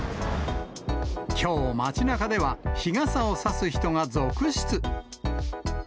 きょう街なかでは、日傘を差す人が続出。